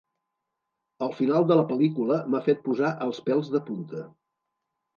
El final de la pel·lícula m'ha fet posar els pèls de punta.